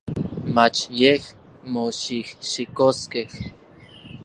Mach yej moxijxikoskej.